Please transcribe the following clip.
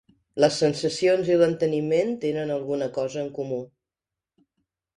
Les sensacions i l'enteniment tenen alguna cosa en comú.